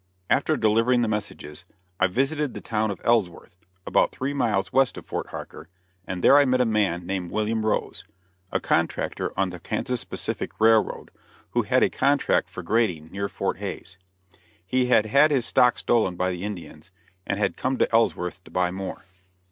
After delivering the messages, I visited the town of Ellsworth, about three miles west of Fort Harker, and there I met a man named William Rose, a contractor on the Kansas Pacific Railroad, who had a contract for grading near Fort Hays. He had had his stock stolen by the Indians, and had come to Ellsworth to buy more.